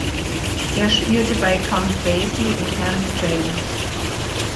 Er spielte bei Count Basie und Harry James.